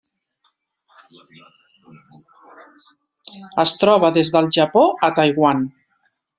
Es troba des del Japó a Taiwan.